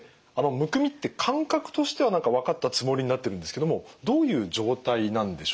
むくみって感覚としては何か分かったつもりになってるんですけどもどういう状態なんでしょうか。